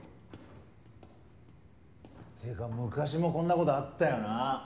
てか昔もこんなことあったよな。